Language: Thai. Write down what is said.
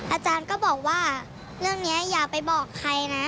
อาจารย์ก็บอกว่าเรื่องนี้อย่าไปบอกใครนะ